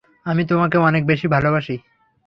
আমি তোমাকে অনেক বেশী ভালোবাসি।